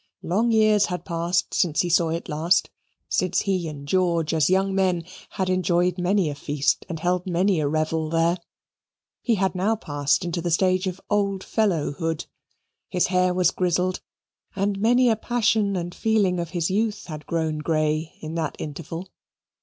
Long years had passed since he saw it last, since he and George, as young men, had enjoyed many a feast, and held many a revel there. He had now passed into the stage of old fellow hood. His hair was grizzled, and many a passion and feeling of his youth had grown grey in that interval.